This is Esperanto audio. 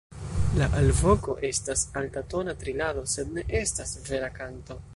La alvoko estas altatona trilado sed ne estas vera kanto.